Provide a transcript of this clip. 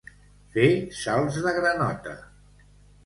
Fer salts de granota.